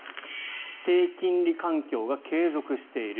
低金利環境が継続している。